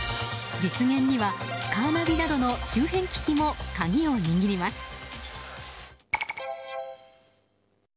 実現には、カーナビなどの周辺機器も鍵を握ります。